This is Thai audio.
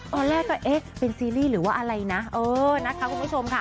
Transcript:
ตอนแรกก็เอ๊ะเป็นซีรีส์หรือว่าอะไรนะเออนะคะคุณผู้ชมค่ะ